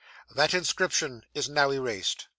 That inscription is now erased.